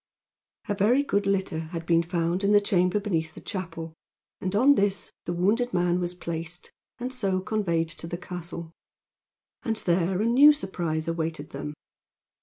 A very good litter had been found in the chamber beneath the chapel, and on this the wounded man was placed and so conveyed to the castle. And there a new surprise awaited them.